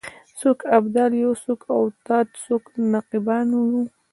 څوک ابدال یو څوک اوتاد څوک نقیبان یو